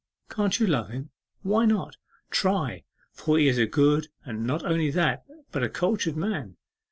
Can't you love him? Why not? Try, for he is a good, and not only that, but a cultured man.